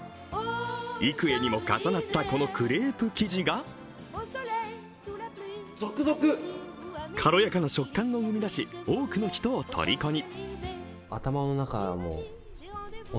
幾重にも重なったこのクレープ生地が軽やかな食感生み出し、多くの人をとりこに。